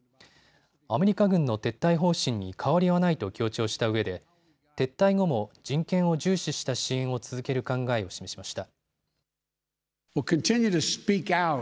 アメリカ軍の撤退方針に変わりはないと強調したうえで撤退後も、人権を重視した支援を続ける考えを示しました。